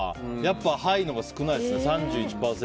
はいのほうが少ないですね３１％。